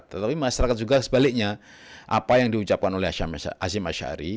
tetapi masyarakat juga sebaliknya apa yang diucapkan oleh hashim ash ari